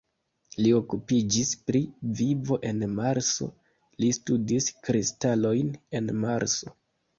Li okupiĝis pri vivo en Marso, li studis kristalojn el Marso.